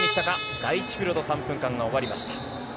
第１ピリオド３分間が終わりました。